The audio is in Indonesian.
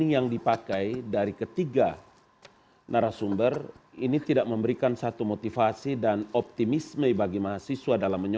jadi itu bahayanya tuh